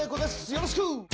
よろしく。